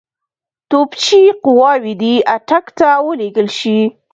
توپچي قواوې دي اټک ته ولېږل شي.